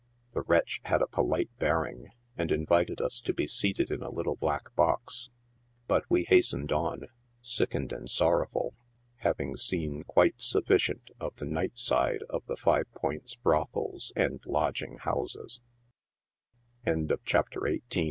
The wretch had a polite bearing, and invited us to be seated in a little back box. But we hastened on, sickened and sorrowful, having seen quite sufficient of the night side of the Five Points brothels and lodging hous